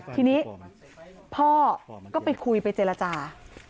ทีนี้พ่อก็ไปคุยไปเจรจา